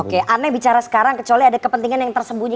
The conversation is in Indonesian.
oke aneh bicara sekarang kecuali ada kepentingan yang tersembunyi